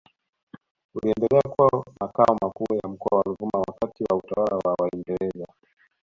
uliendelea kuwa Makao makuu ya Mkoa wa Ruvuma wakati wa utawala wa Waingereza